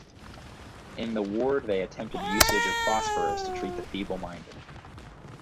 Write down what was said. In the ward they attempted usage of Phosphorus to treat the feeble-minded.